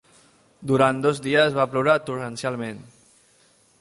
Durant dos dies va ploure torrencialment